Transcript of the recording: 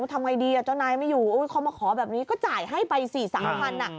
ทำไงดีเจ้านายไม่อยู่เขามาขอแบบนี้ก็จ่ายให้ไปสิ๓๐๐บาท